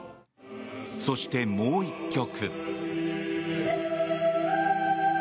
そして、もう１曲。